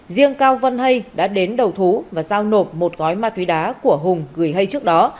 riêng cao văn hay đã đến đầu thú và giao nộp một gói ma túy đá của hùng gửi hay trước đó